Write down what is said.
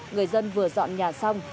người dân vừa dọn nhà xong